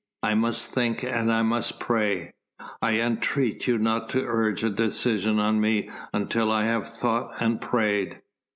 I must think and I must pray. I entreat you not to urge a decision on me until I have thought and prayed."